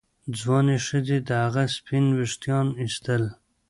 ځوانې ښځې د هغه سپین ویښتان ایستل.